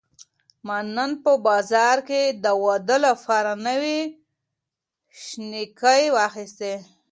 ما نن په بازار کې د واده لپاره نوې شینکۍ واخیستې.